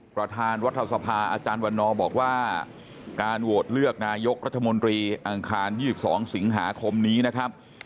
ประธานรัฐสภาอาจารย์วันนอบอกว่าการโหวตเลือกนายกรัฐมนตรีอังคาร๒๒สิงหาคมนี้นะครับ